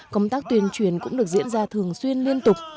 công tác tuyên truyền cũng được diễn ra thường xuyên liên tục